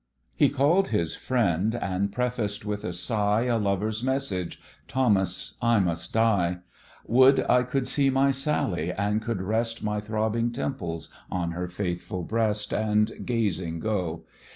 He call'd his friend, and prefaced with a sigh A lover's message "Thomas, I must die: Would I could see my Sally, and could rest My throbbing temples on her faithful breast, And gazing go!